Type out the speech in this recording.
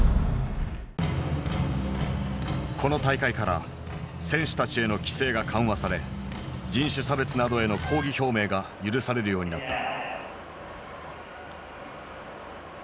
この大会から選手たちへの規制が緩和され人種差別などへの抗議表明が許されるようになった。